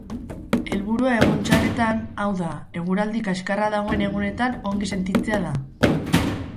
Helburua egun txarretan, hau da, eguraldi kaxkarra dagoen egunetan ongi sentitzea da.